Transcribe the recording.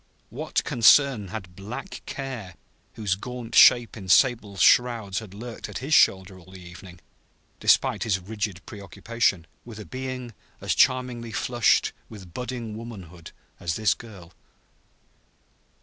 What concern had Black Care, whose gaunt shape in sable shrouds had lurked at his shoulder all the evening, despite his rigid preoccupation, with a being as charmingly flushed with budding womanhood as this girl?